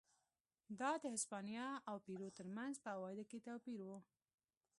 دا د هسپانیا او پیرو ترمنځ په عوایدو کې توپیر و.